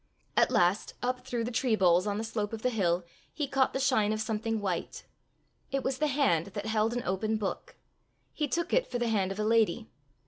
At last, up through the tree boles on the slope of the hill, he caught the shine of something white: it was the hand that held an open book. He took it for the hand of a lady.